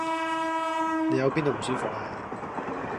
你有邊度唔舒服呀？